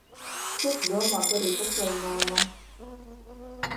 Ko Tu domā darīt atvaļinājumā?